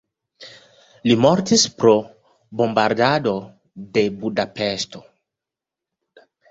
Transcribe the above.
Li mortis pro bombardado de Budapeŝto.